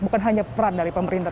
bukan hanya peran dari pemerintah